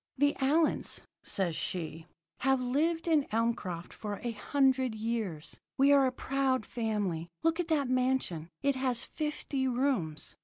"'The Allyns,' says she, 'have lived in Elmcroft for a hundred years. We are a proud family. Look at that mansion. It has fifty rooms.